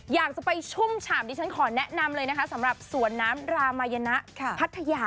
อยากจะไปชุ่มฉ่ำดิฉันขอแนะนำเลยนะคะสำหรับสวนน้ำรามายนะพัทยา